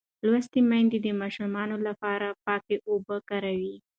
لوستې میندې د ماشوم لپاره پاکې اوبه کاروي.